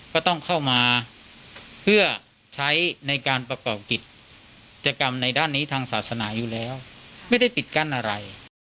ก็ต้องเข้ามาเพื่อใช้ในการประกอบกิจกรรมในด้านนี้ทางศาสนาอยู่แล้วไม่ได้ปิดกั้นอะไร